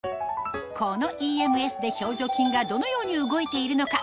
このＥＭＳで表情筋がどのように動いているのか？